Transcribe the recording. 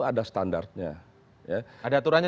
ada standarnya ada aturannya